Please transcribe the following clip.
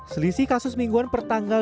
selisih kasus mingguan pertandaan